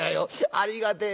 ありがてえ。